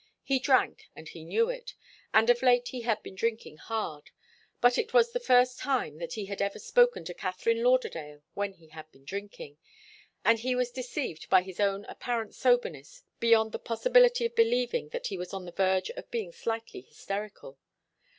He drank, and he knew it, and of late he had been drinking hard, but it was the first time that he had ever spoken to Katharine Lauderdale when he had been drinking, and he was deceived by his own apparent soberness beyond the possibility of believing that he was on the verge of being slightly hysterical.